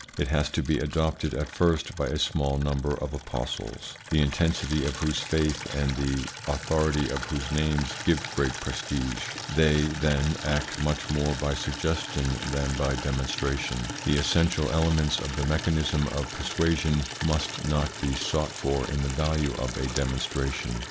It has to be adopted at first by a small number of apostles, the intensity of whose faith and the authority of whose names give great prestige. They then act much more by suggestion than by demon ITS INFLUENCE ON THEIR EVOLUTION 173 stration. The essential elements of the mechanism of persuasion must not be sought for in the value of a demonstration.